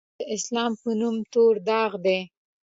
پاکستان د اسلام په نوم تور داغ دی.